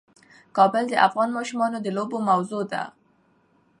کابل د افغان ماشومانو د لوبو موضوع ده.